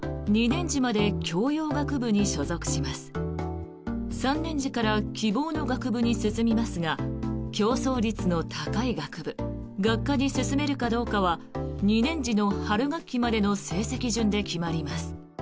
３年次から希望の学部に進みますが競争率の高い学部、学科に進めるかどうかは２年次の春学期までの成績順で決まります。